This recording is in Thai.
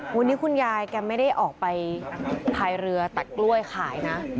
วันนี้คุณยายแกไม่ได้ออกไปพายเรือตัดกล้วยขายนะ